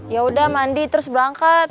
yaudah mandi terus berangkat